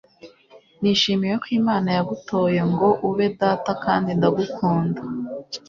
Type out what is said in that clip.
nishimiye ko imana yagutoye ngo ube data kandi ndagukunda